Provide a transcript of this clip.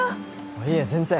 いえ全然。